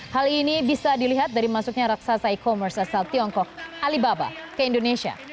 hal ini bisa dilihat dari masuknya raksasa e commerce asal tiongkok alibaba ke indonesia